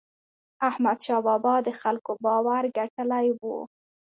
احمدشاه بابا د خلکو باور ګټلی و.